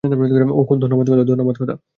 ওহ, ধন্যবাদ খোদা।